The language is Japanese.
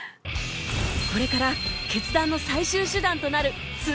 これから決断の最終手段となる２